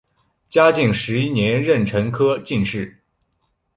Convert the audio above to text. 嘉靖十一年壬辰科进士。